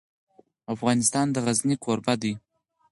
افغانستان د غزني کوربه دی.